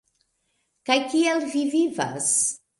Kaj kiel vi vivas?